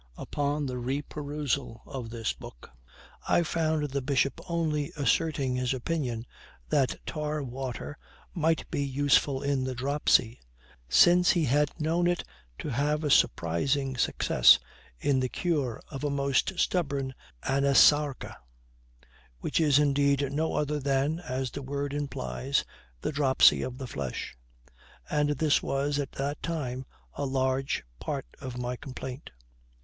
Upon the reperusal of this book I found the bishop only asserting his opinion that tar water might be useful in the dropsy, since he had known it to have a surprising success in the cure of a most stubborn anasarca, which is indeed no other than, as the word implies, the dropsy of the flesh; and this was, at that time, a large part of my complaint.